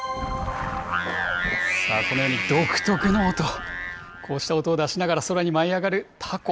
このように独特の音、こうした音を出しながら空に舞い上がるたこ。